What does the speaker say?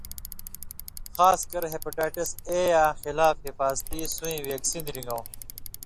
خاص کر ہیپاٹائٹس اے یاں خلاف حفاظتی سُویں وېکسین رِن٘گؤں۔